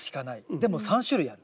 でも３種類ある。